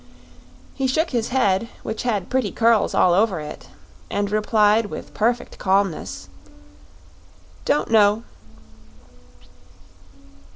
He shook his head, which had pretty curls all over it, and replied with perfect calmness: "Don't know."